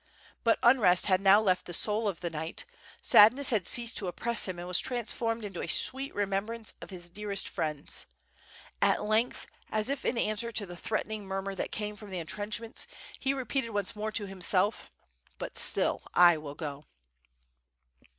But unrest had now left the soul of the knight, sadness had ceased to oppress him and was transformed into a sweet remembrance of his dearest friends. At length, as if in answer to the threatening murmur that came from the entrenchments, he repeated once more to himself: "But still I will go."